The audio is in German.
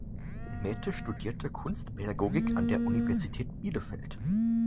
Mette studierte Kunstpädagogik an der Universität Bielefeld.